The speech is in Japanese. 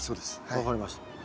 分かりました。